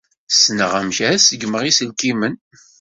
Ssneɣ amek ad ṣeggmeɣ iselkimen.